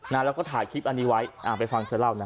แล้วก็ถ่ายคลิปอันนี้ไว้อ่าไปฟังเธอเล่านะ